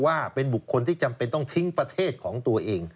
ว่าเป็นบุคคลที่จำเป็นต้องทิ้งประเทศของตัวเอง